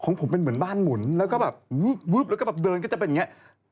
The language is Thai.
ของผมเป็นเหมือนบ้านหมุนแล้วก็แบบวึบแล้วก็แบบเดินก็จะเป็นอย่างนี้